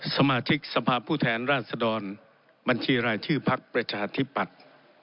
สมาชิกสภาพผู้แทนราชดรบัญชีรายชื่อพักประชาธิปัตย์